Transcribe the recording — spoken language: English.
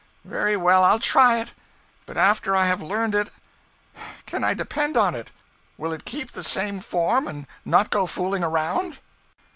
'Very well, I'll try it; but after I have learned it can I depend on it. Will it keep the same form and not go fooling around?'